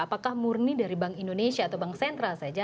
apakah murni dari bank indonesia atau bank sentral saja